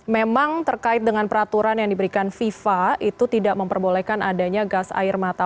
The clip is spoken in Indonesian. memang terkait dengan peraturan yang diberikan fifa itu tidak memperbolehkan adanya gas air mata